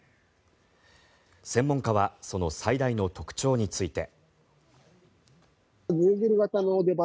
専門家はその最大の特徴について。